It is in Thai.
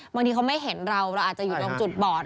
บางทีเขาไม่เห็นเราเราอาจจะอยู่ตรงจุดบอด